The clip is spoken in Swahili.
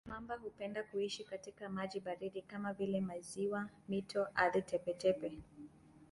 Mamba hupenda kuishi katika maji baridi kama vile maziwa, mito, ardhi tepe-tepe.